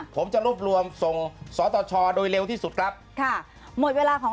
ผมจะรวบรวมส่งสตชโดยเร็วที่สุดครับค่ะหมดเวลาของ